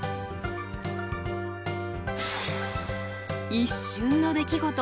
一瞬の出来事。